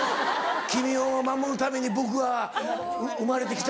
「君を守るために僕は生まれて来たんだ」